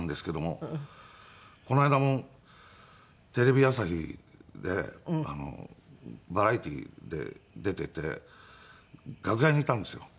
この間もテレビ朝日でバラエティーで出ていて楽屋にいたんですよ。